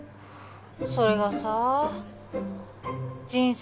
それがさ人生